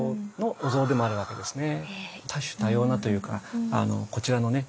多種多様なというかこちらのね